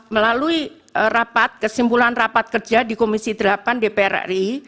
melalui rapat kesimpulan rapat kerja di komisi delapan dpr ri